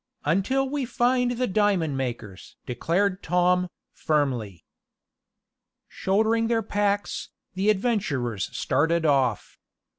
"Until we find the diamond makers!" declared Tom, firmly. Shouldering their packs, the adventurers started off.